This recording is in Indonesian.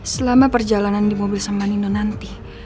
selama perjalanan di mobil sama nino nanti